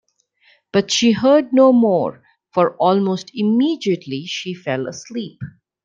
But she heard no more, for almost immediately she fell asleep.